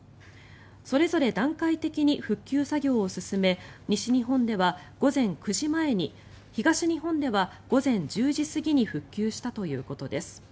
それぞれ段階的に復旧作業を進め西日本では午前９時前に東日本では午前１０時過ぎに復旧したということです。